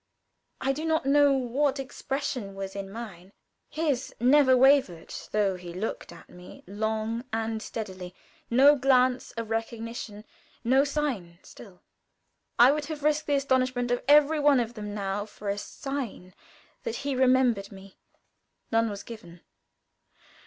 I do not know what expression was in mine. His never wavered, though he looked at me long and steadily no glance of recognition no sign still. I would have risked the astonishment of every one of them now, for a sign that he remembered me. None was given.